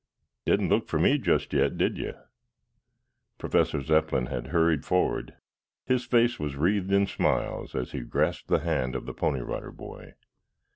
"Didn't look for me just yet, did you?" Professor Zepplin had hurried forward; his face was wreathed in smiles as he grasped the hand of the Pony Rider Boy.